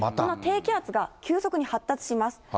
低気圧が急速に発達します。